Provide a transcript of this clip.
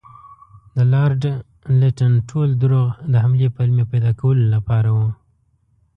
د لارډ لیټن ټول دروغ د حملې پلمې پیدا کولو لپاره وو.